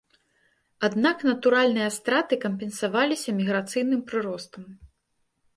Аднак натуральныя страты кампенсаваліся міграцыйным прыростам.